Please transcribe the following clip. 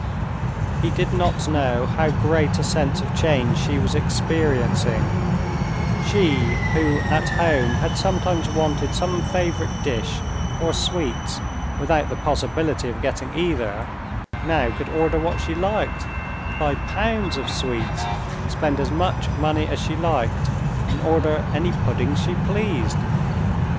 He did not know how great a sense of change she was experiencing; she, who at home had sometimes wanted some favorite dish, or sweets, without the possibility of getting either, now could order what she liked, buy pounds of sweets, spend as much money as she liked, and order any puddings she pleased.